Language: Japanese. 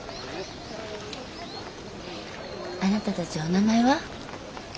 あなたたちお名前は？